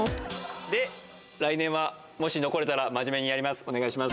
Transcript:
で、来年は、もし残れたら、真面目にやります。